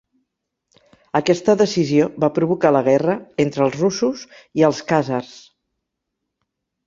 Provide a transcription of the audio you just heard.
Aquesta decisió va provocar la guerra entre els russos i els khàzars.